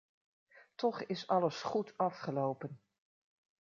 Toch is alles goed afgelopen.